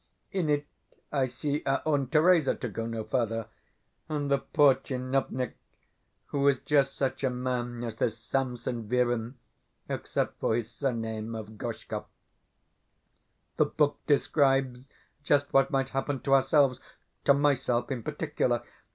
In it I see our own Theresa (to go no further) and the poor tchinovnik who is just such a man as this Samson Virin, except for his surname of Gorshkov. The book describes just what might happen to ourselves to myself in particular.